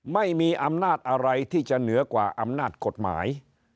ไม่มีอำนาจอะไรที่จะเหนือกว่าอำนาจกฎหมาย